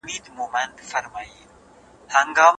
د بریا خوند یوازي د استعداد په خاوندانو پوري نه محدوديږي.